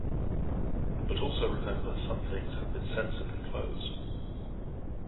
But also remember some things have been sensibly closed.